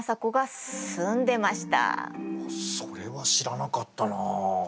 あっそれは知らなかったなあ。